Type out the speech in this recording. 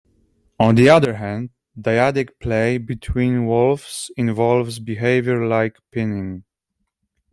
On the other hand, dyadic play between wolves involves behavior like pinning.